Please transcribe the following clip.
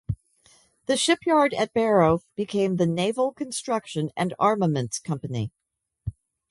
The shipyard at Barrow became the Naval Construction and Armaments Company.